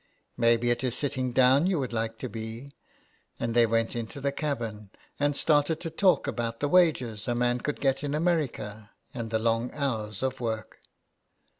'' Maybe it is sitting down you would like to be." And they went into the cabin, and started to talk about the wages a man could get in America, and the long hours of work.